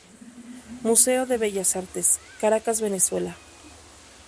Museo de Bellas Artes, Caracas, Venezuela.